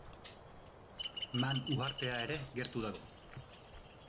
Man uhartea ere gertu dago.